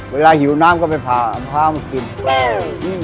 เวลาหิวน้ำก็ไปฝาลมด้ำคิด